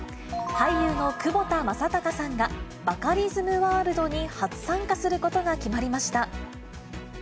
俳優の窪田正孝さんが、バカリズムワールドに初参加することが決まりました。